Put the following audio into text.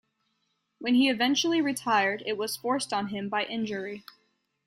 When he eventually retired, it was forced on him by injury.